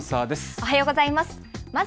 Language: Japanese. おはようございます。